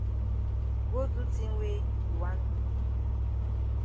Go do tin wey you wan do.